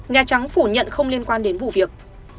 nhà trắng phủ nhận không liên quan đến vụ việc